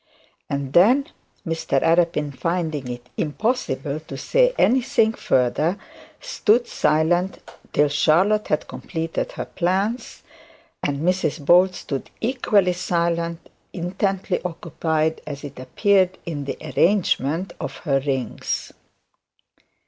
And then Mr Arabin, finding it impossible to say anything further, stood silent till Charlotte had completed her plans, and Mrs Bold stood equally silent, intently occupied as it appeared in the arrangement of her rings.